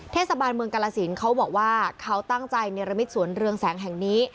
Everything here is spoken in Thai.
เทศบาลเมืองกาลสินเขาบอกว่าเขาตั้งใจเนรมิตสวนเรืองแสงแห่งนี้